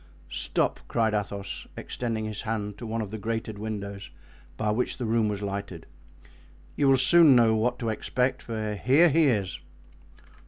"Stop," cried Athos, extending his hand to one of the grated windows by which the room was lighted; "you will soon know what to expect, for here he is."